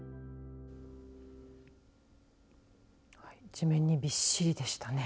地面にびっしりでしたね。